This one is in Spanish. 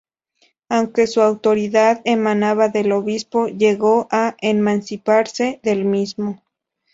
Aunque su autoridad emanaba del obispo, llegó a emanciparse del mismo.